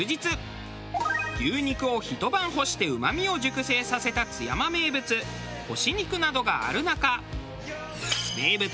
牛肉をひと晩干してうまみを熟成させた津山名物干し肉などがある中。